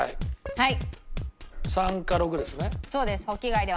はい。